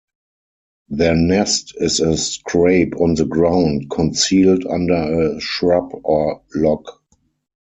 Their nest is a scrape on the ground concealed under a shrub or log.